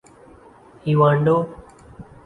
ایوانڈو